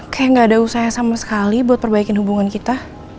kayak gak ada usaha sama sekali buat perbaikin hubungan kita